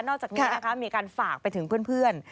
อกจากนี้นะคะมีการฝากไปถึงเพื่อน